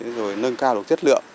rồi nâng cao được chất lượng